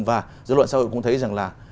và dư luận xã hội cũng thấy rằng là